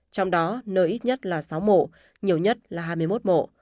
trong đó nơi ít nhất là sáu mộ nhiều nhất là hai mươi một mộ